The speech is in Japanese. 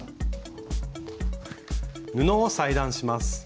布を裁断します。